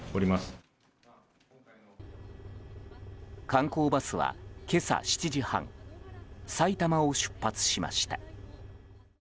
観光バスは、今朝７時半埼玉を出発しました。